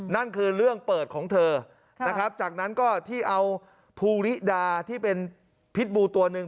นั่นคือเรื่องเปิดของเธอนะครับจากนั้นก็ที่เอาภูริดาที่เป็นพิษบูตัวหนึ่ง